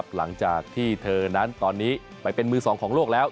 หลังจากที่เธอนั้นตอนนี้ไปเป็นมือสองของโลกแล้ว